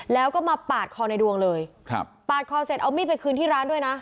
แล้วก็มาปาดคอในดวงเลยครับปาดคอเสร็จเอามีดไปคืนที่ร้านด้วยนะ